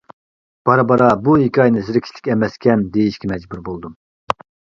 بارا-بارا بۇ ھېكايىنى زېرىكىشلىك ئەمەسكەن، دېيىشكە مەجبۇر بولدۇم.